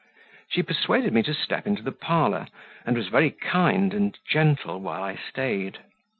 She persuaded me to step into the parlour, and was very kind and gentle while I stayed.